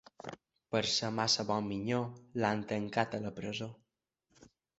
Per ser massa bon minyó l'han tancat a la presó.